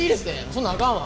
そんなんあかんわ。